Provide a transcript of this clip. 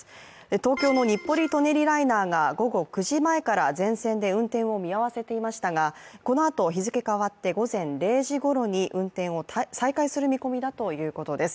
東京の日暮里・舎人ライナーが午後９時前から全線で運転を見合わせていましたがこのあと日付変わって午前０時ごろに運転を再開する見込みだということです。